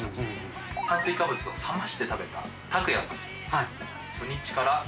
炭水化物を冷まして食べたたくやさん。